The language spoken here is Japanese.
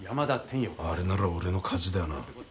あれなら俺の勝ちだよな。